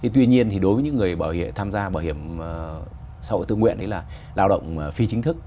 tuy nhiên thì đối với những người tham gia bảo hiểm sổ tư nguyện là lao động phi chính thức